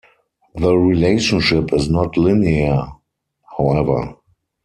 The relationship is not linear, however.